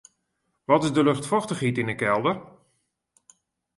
Wat is de luchtfochtichheid yn 'e kelder?